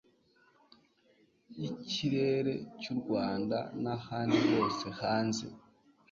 y ikirere cy u rwanda n ahandi hose hanze